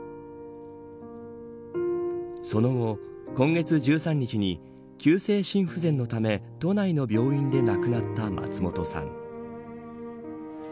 その後、今月１３日に急性心不全のため都内の病院で亡くなった松本さん。